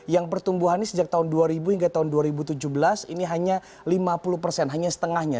yang pertumbuhannya sejak tahun dua ribu hingga tahun dua ribu tujuh belas ini hanya lima puluh persen hanya setengahnya